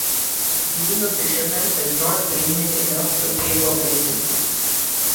Being a fisherman does not bring in enough to pay for medicine.